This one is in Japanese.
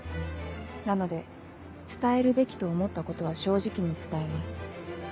なので伝えるべきと思ったことは正直に伝えます。